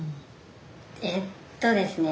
「えっとですね